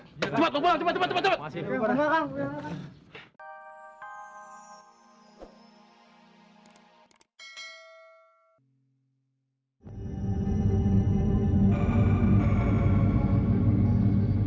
hai sempat berbual cepat cepat masih berangkat